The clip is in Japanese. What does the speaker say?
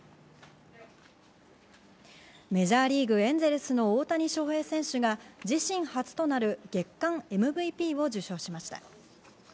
メジャーリーグ、エンゼルスの大谷翔平選手が自身初となる月間ＭＶＰを受賞しました。